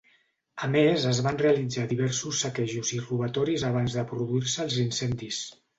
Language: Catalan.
A més es van realitzar diversos saquejos i robatoris abans de produir-se els incendis.